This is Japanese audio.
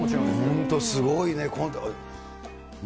本当、すごいね。